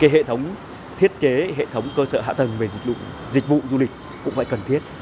hệ thống thiết chế hệ thống cơ sở hạ tầng về dịch vụ du lịch cũng phải cần thiết